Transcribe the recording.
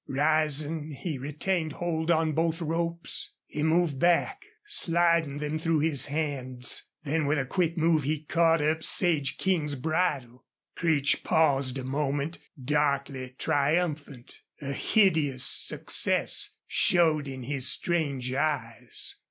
Rising, he retained hold on both ropes. He moved back, sliding them through his hands. Then with a quick move he caught up Sage King's bridle. Creech paused a moment, darkly triumphant. A hideous success showed in his strange eyes.